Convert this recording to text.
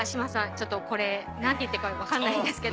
ちょっとこれ何て言っていいか分かんないんですけど。